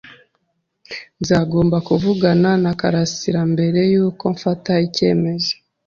Nzagomba kuvugana na Karasirambere yuko mfata icyemezo.